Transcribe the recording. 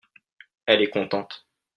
elles est contente.